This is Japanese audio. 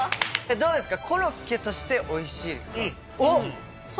どうですか？